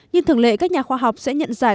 như thường lệ các nhà khoa học sẽ nhận giải